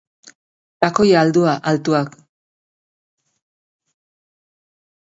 Takoi altuak daramatza eta coulotte bat dauka soinean.